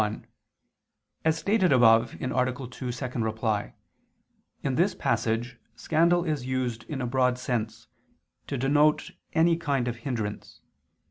1: As stated above (A. 2, ad 2), in this passage, scandal is used in a broad sense, to denote any kind of hindrance.